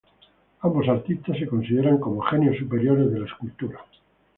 Ambos artistas se consideran como genios superiores de la escultura.